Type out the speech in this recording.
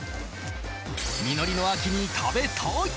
実りの秋に食べたい！